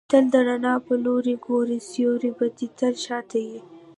تل د رڼا پر لوري ګورئ! سیوری به دي تل شاته يي.